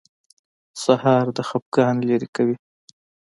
سهار د خفګان لرې کوي.